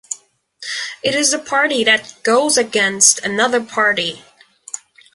It is the party that goes against another party.